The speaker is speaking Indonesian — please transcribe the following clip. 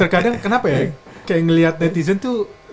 terkadang kenapa ya kayak ngeliat netizen tuh